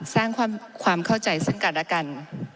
สร้างความเข้าใจซึ่งกันและกัน